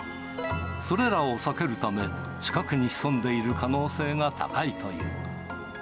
それらを避けるため、近くに潜んでいる可能性が高いという。